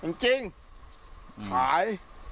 เป็นจริงหาย